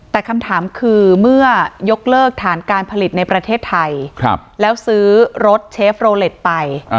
แต่คำถามคือเมื่อยกเลิกฐานการผลิตในประเทศไทยแล้วซื้อรถเชฟโรเล็ตไป